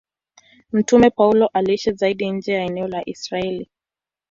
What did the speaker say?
Mtume Paulo aliishi zaidi nje ya eneo la Israeli.